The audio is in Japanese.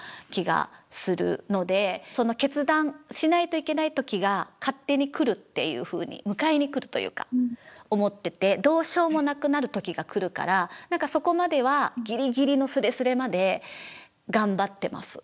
その決断しないといけない時が勝手に来るっていうふうに迎えに来るというか思っててどうしようもなくなる時が来るからそこまではギリギリのスレスレまで頑張ってます。